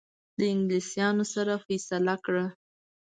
د انګلیسانو سره فیصله کړه.